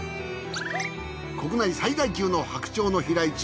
国内最大級の白鳥の飛来地